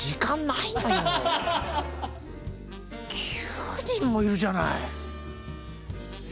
９人もいるじゃない。